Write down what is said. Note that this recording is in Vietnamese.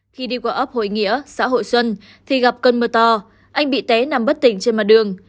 khi đi qua ấp hội nghĩa xã hội xuân thì gặp cơn mưa to anh bị té nằm bất tỉnh trên mặt đường